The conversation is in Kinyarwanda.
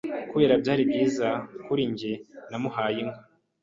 Kuberako byari byiza kuri njye namuhaye inka